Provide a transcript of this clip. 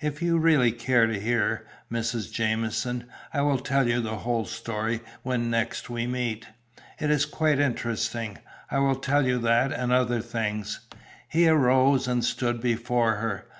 If you really care to hear, Mrs. Jamieson, I will tell you the whole story when next we meet. It is quite interesting. I will tell you that and other things." He arose and stood before her.